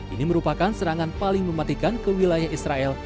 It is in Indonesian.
ini merupakan serangan paling mematikan ke wilayah israel